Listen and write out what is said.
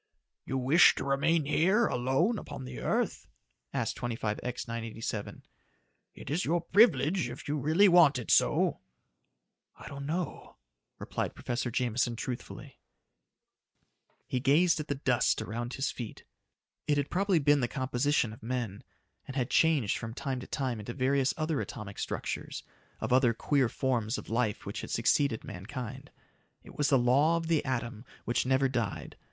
"You wish to remain here alone upon the earth?" asked 25X 987. "It is your privilege if you really want it so." "I don't know," replied Professor Jameson truthfully. He gazed at the dust around his feet. It had probably been the composition of men, and had changed from time to time into various other atomic structures of other queer forms of life which had succeeded mankind. It was the law of the atom which never died.